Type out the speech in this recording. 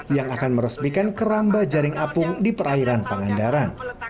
yang akan meresmikan keramba jaring apung di perairan pangandaran